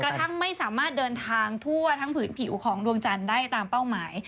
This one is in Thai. ทหารสถานที่สามารถเดินทางทั่วทั้งผิวดวงจันได้ตามเป้าหมาย